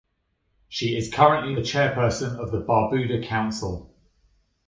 She is currently the Chairperson of the Barbuda Council.